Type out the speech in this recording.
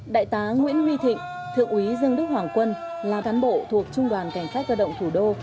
đại tá nguyễn huy thịnh thượng úy dương đức hoàng quân là cán bộ thuộc trung đoàn cảnh sát cơ động thủ đô